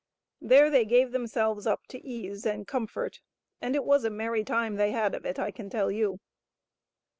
There they gave themselves up to ease and comfort, and it was a merry time they had of it, I can tell you.